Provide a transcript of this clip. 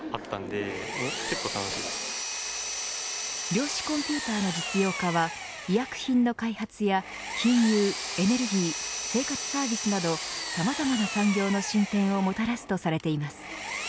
量子コンピューターの実用化は医薬品の開発や金融、エネルギー生活サービスなどさまざまな産業の進展をもたらすとされています。